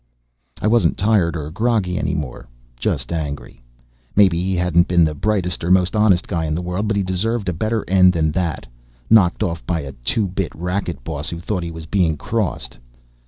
I wasn't tired or groggy any more. Just angry. Maybe he hadn't been the brightest or most honest guy in the world. But he deserved a better end than that. Knocked off by a two bit racket boss who thought he was being crossed.